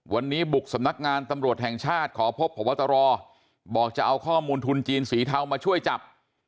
วันนี้บุกสำนักงานตำรวจแห่งชาติขอพบพบตรบอกจะเอาข้อมูลทุนจีนสีเทามาช่วยจับ